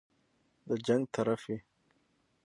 د جنګ طرف وي.